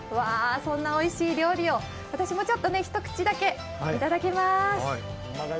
そんなおいしい料理を私も一口だけいただきます。